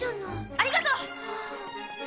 ありがとう。